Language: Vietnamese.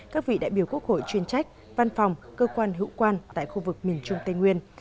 các vị đại biểu quốc hội chuyên trách văn phòng cơ quan hữu quan tại khu vực miền trung tây nguyên